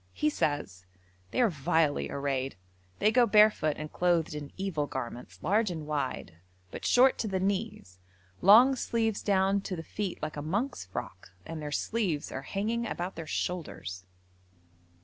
He says: 'They are vilely arrayed. They go barefoot and clothed in evil garments, large and wide, but short to the knees, long sleeves down to the feet like a monk's frock, and their sleeves are hanging about their shoulders.'